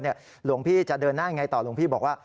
หลวงพี่จะเดินหน้ายังไงต่อหลวงพี่บอกว่า